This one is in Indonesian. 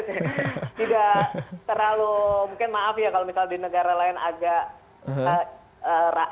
tidak terlalu mungkin maaf ya kalau misal di negara lain agak